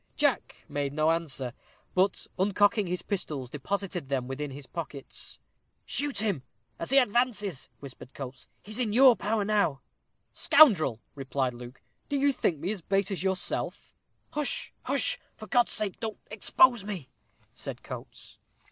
Jack made no answer, but uncocking his pistols, deposited them within his pockets. "Shoot him as he advances," whispered Coates; "he is in your power now." "Scoundrel!" replied Luke, "do you think me as base as yourself?" "Hush, hush! for God's sake don't expose me," said Coates.